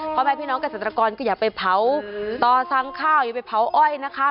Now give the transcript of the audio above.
พ่อแม่พี่น้องเกษตรกรก็อย่าไปเผาต่อสั่งข้าวอย่าไปเผาอ้อยนะคะ